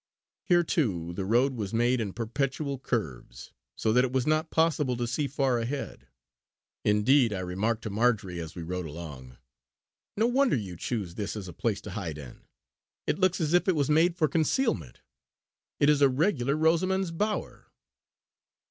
Here too the road was made in perpetual curves, so that it was not possible to see far ahead. Indeed I remarked to Marjory as we rode along: "No wonder you chose this as a place to hide in; it looks as if it was made for concealment. It is a regular Rosamund's Bower!"